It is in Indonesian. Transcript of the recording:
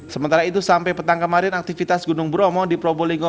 sementara itu sampai petang kemarin aktivitas gunung bromo